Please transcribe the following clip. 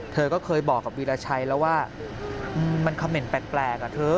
เธอก็เคยบอกกับวีรชัยแล้วว่ามันคำเหน่นแปลกอ่ะเธอ